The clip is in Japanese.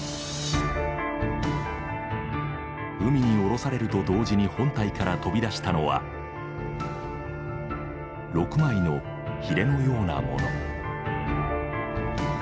海に降ろされると同時に本体から飛び出したのは６枚のヒレのようなもの。